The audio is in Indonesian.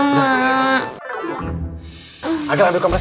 maksudnya demek pobres